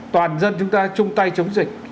toàn dân chúng ta chung tay chống dịch